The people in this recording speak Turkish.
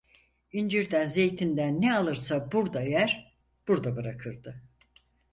İncirden, zeytinden ne alırsa burda yer, burda bırakırdı.